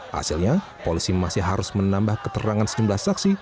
hasilnya polisi masih harus menambah keterangan sejumlah saksi